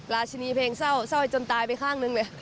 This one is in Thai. ราชินีเพลงเศร้าเศร้าจนตายไปข้างนึงเลย